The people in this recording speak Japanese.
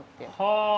はあ。